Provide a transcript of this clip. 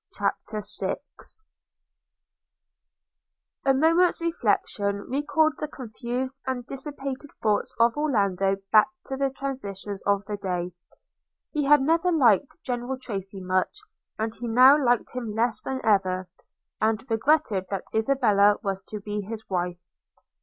CHAPTER VI A MOMENT'S reflection recalled the confused and dissipated thoughts of Orlando back to the transactions of the day. He had never liked General Tracy much; and he now liked him less than ever, and regretted that Isabella was to be his wife.